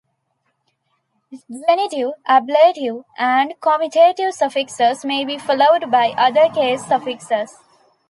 Genitive, ablative and comitative suffixes may be followed by other case suffixes.